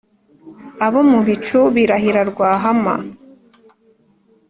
Abo mu bicu birahira Rwahama.